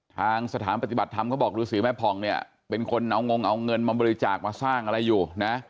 ทางสถานปฏิบัติธรรมก็บอกรูสือแม่ผ่องเป็นคนเอาเงินมาบริจาคมาสร้างอะไรอยู่